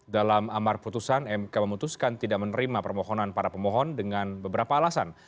dalam amar putusan mk memutuskan tidak menerima permohonan para pemohon dengan beberapa alasan